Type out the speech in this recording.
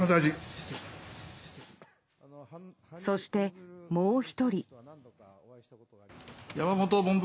そして、もう１人。